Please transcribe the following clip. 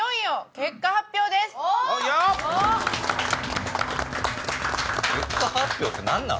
結果発表ってなんなん？